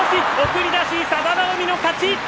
送り出し、佐田の海の勝ち。